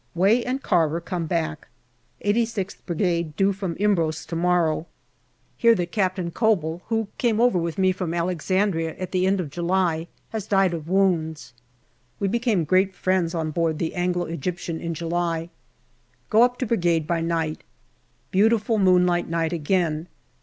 Way and Carver come back. 86th Brigade due from Imbros to morrow. Hear that Captain Koebel, who came over with me from Alexandria at the end of July, has 232 GALLIPOLI DIARY died of wounds. We became great friends on board the Anglo Egyptian in July. Go up to Brigade by night. Beautiful moonlight night again.